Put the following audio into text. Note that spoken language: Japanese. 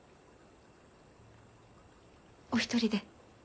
お一人で？